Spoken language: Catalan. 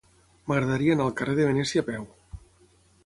M'agradaria anar al carrer de Venècia a peu.